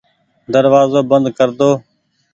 دروآزو بند ڪر دو ۔